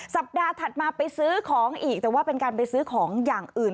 สัปดาห์ถัดมาไปซื้อของอีกแต่ว่าเป็นการไปซื้อของอย่างอื่น